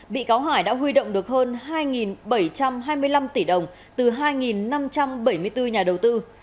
bị cáo hải đã huy động được hơn hai bảy trăm hai mươi năm tỷ đồng từ hai năm trăm bảy mươi bốn nhà đầu tư